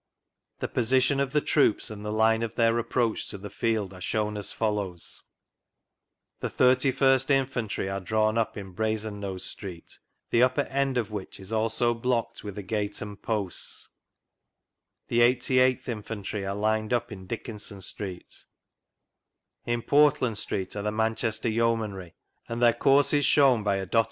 The position of the Troops and the line of their approach to the T'vAA are shown as follows 1 Hie "31st Infantry" are drawn up in Brazennose Street, the upper end of which is also blocked with a gate and posts; the " 88th Infantry" are lined up in Dickinson Street ; in Portlaikl Street are the " Man chester Yeomanry," and their course is shown by a vGoogIc vGoogIc